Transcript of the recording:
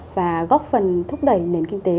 và góp phần thúc đẩy nền kinh tế